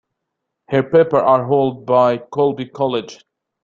Her papers are held by Colby College.